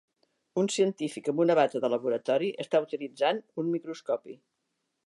Un científic amb una bata de laboratori està utilitzant un microscopi.